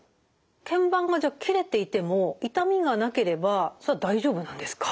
けん板が切れていても痛みがなければそれは大丈夫なんですか？